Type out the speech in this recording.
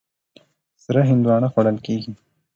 سره هندوانه خوړل کېږي.